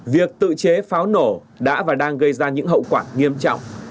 việc tự chế pháo nổ đã và đang gây ra những hậu quả nghiêm trọng